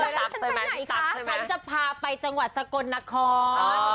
ฉันจะพาไปจังหวัดสกลนคร